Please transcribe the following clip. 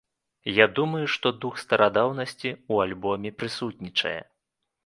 Я думаю, што дух старадаўнасці ў альбоме прысутнічае.